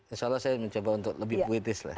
insya allah saya mencoba untuk lebih puitis lah